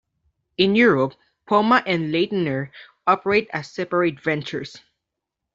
In Europe, Poma and Leitner operate as separate ventures.